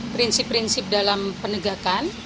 prinsip prinsip dalam penegakan